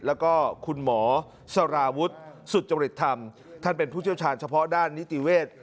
แล้วก็คุณหมอสารวุฒิสุจริตธรรมท่านเป็นผู้เชี่ยวชาญเฉพาะด้านนิติเวศ